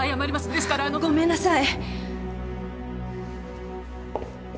ですからあの。ごめんなさい。